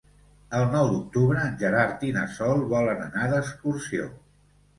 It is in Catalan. El nou d'octubre en Gerard i na Sol volen anar d'excursió.